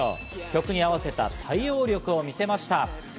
曲に合わせた対応力を見せました。